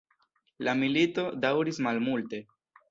La milito daŭris malmulte.